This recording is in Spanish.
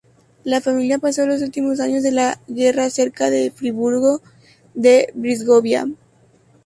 La familia pasó los últimos años de la guerra cerca de Friburgo de Brisgovia.